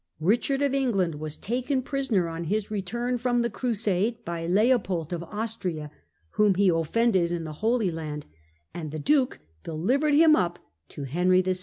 Eichard of England was Coeui^dr taken prisoner on his return from the Crusade by Leopold Lion Q^ Austria, whom he had offended in the Holy Land, and the duke delivered him up to Henry VI.